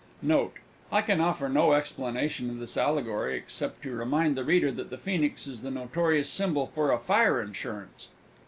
Note. I can offer no explanation of this allegory, except to remind the reader that the Phoenix is the notorious symbol for a fire insurance.